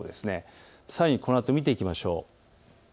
さらにこのあと見ていきましょう。